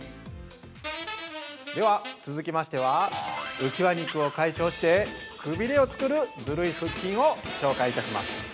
◆では、続きましては浮き輪肉を解消してくびれを作るズルい腹筋を紹介いたします。